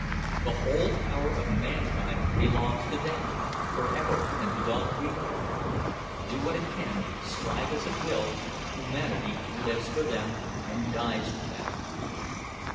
The whole power of mankind belongs to them, forever and beyond recall—do what it can, strive as it will, humanity lives for them and dies for them!